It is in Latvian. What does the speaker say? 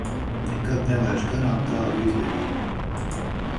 Nekad nelaižu garām tādu izdevību.